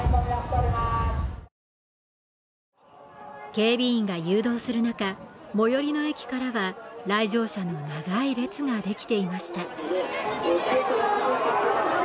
警備員が誘導する中、最寄りの駅からは来場者の長い列ができていました。